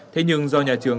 thế nhưng do nhà trường